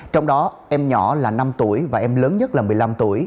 trong đó em nhỏ là năm tuổi và em lớn nhất là một mươi năm tuổi